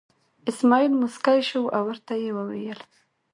اسمعیل موسکی شو او ورته یې وویل.